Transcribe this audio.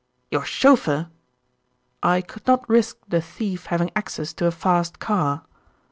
"Your chauffeur!" "I could not risk the thief having access to a fast car."